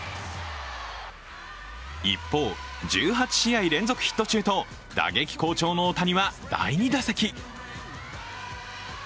一方、１８試合連続ヒット中と打撃好調の大谷は第２打席。